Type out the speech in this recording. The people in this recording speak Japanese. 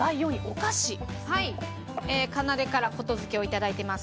かなでからことづけをいただいてます。